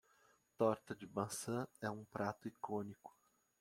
Torta de maçã é um prato icônico.